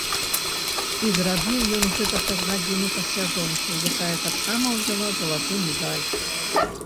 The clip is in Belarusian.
І зрабіў ён гэта праз гадзіну пасля жонкі, якая таксама ўзяла залаты медаль.